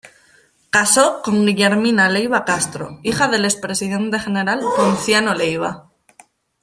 Casó con Guillermina Leiva Castro, hija del expresidente general Ponciano Leiva.